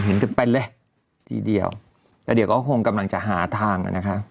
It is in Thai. เห็นกันเป็นเลยทีเดียวแล้วเดี๋ยวก็คงกำลังจะหาทางอ่ะนะคะ